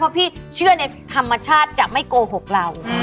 เพราะพี่เชื่อในธรรมชาติจะไม่โกหกเรา